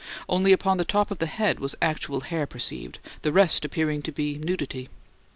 Only upon the top of the head was actual hair perceived, the rest appearing to be nudity.